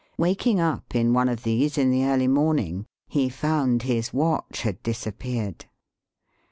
Waking up in one of these in the early morning, he found his watch had disappeared.